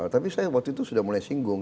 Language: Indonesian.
tapi saya waktu itu sudah mulai singgung